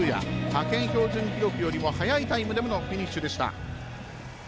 派遣標準記録よりも早いタイムでのフィニッシュでした。